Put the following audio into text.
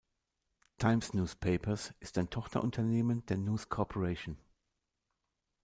Times Newspapers ist ein Tochterunternehmen der News Corporation.